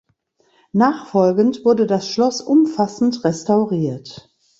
Nachfolgend wurde das Schloss umfassend restauriert.